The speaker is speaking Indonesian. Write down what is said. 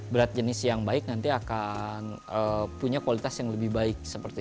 berat jenis yang baik nanti akan punya kualitas yang lebih baik